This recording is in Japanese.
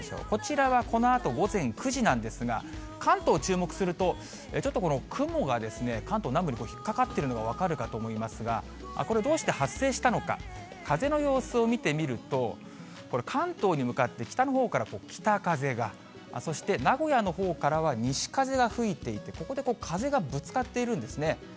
こちらはこのあと、午前９時なんですが、関東を注目すると、ちょっとこの雲が関東南部に引っ掛かっているの分かると思いますが、これどうして発生したのか、風の様子を見てみると、これ、関東に向かって北のほうから北風が、そして名古屋のほうからは西風が吹いていて、ここで風がぶつかっているんですね。